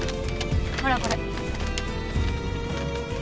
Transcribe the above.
ほらこれ。